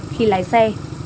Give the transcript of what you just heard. khi lái xe